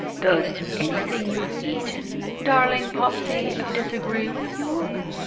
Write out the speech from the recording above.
Does anything you've eaten, darling POPSY, disagree with you?"